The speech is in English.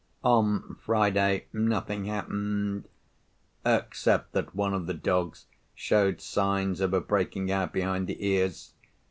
On Friday, nothing happened—except that one of the dogs showed signs of a breaking out behind the ears.